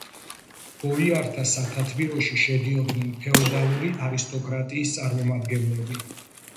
ბოიართა სათათბიროში შედიოდნენ ფეოდალური არისტოკრატიის წარმომადგენლები.